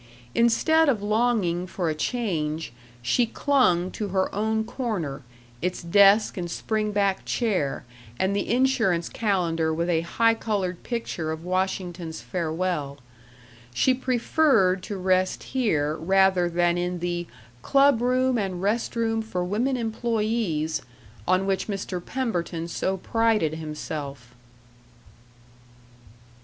Instead of longing for a change, she clung to her own corner, its desk and spring back chair, and the insurance calendar with a high colored picture of Washington's farewell. She preferred to rest here rather than in the "club room and rest room for women employees," on which Mr. Pemberton so prided himself.